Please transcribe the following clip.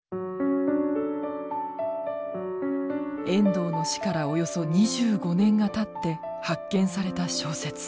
遠藤の死からおよそ２５年がたって発見された小説。